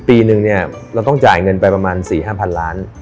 ปีนึงเนี่ยเราต้องจ่ายเงินไปประมาณ๔๕๐๐ล้าน